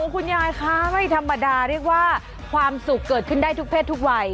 คุณยายคะไม่ธรรมดาเรียกว่าความสุขเกิดขึ้นได้ทุกเพศทุกวัย